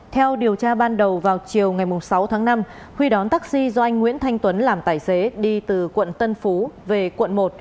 theo điều tra ban đầu vào chiều ngày sáu tháng năm huy đón taxi do anh nguyễn thanh tuấn làm tài xế đi từ quận tân phú về quận một